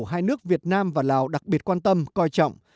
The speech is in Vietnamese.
hai nước việt nam và lào đặc biệt quan tâm coi trọng